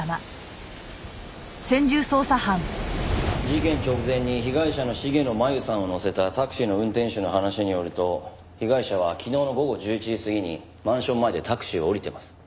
事件直前に被害者の重野茉由さんを乗せたタクシーの運転手の話によると被害者は昨日の午後１１時過ぎにマンション前でタクシーを降りてます。